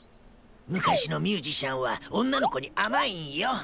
昔のミュージシャンは女の子に甘いんよ。